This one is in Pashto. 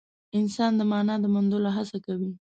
انسان د مانا د موندلو هڅه کوي.